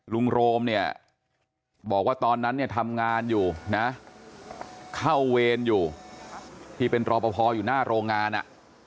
โรมเนี่ยบอกว่าตอนนั้นเนี่ยทำงานอยู่นะเข้าเวรอยู่ที่เป็นรอปภอยู่หน้าโรงงานอ่ะ